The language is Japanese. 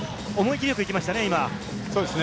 思い切りよく行きましたね、今。